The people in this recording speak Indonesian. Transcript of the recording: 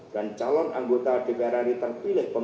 dan calon anggota dpr ri terpilih pemilu dua ribu dua puluh empat